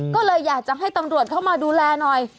ก็เลยอยากจะให้ตำรวจเข้ามาดูแลหน่อย